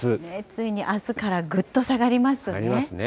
ついにあすからぐっと下がりますね。